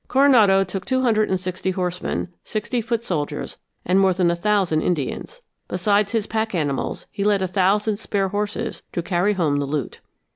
Coronado took two hundred and sixty horsemen, sixty foot soldiers, and more than a thousand Indians. Besides his pack animals he led a thousand spare horses to carry home the loot.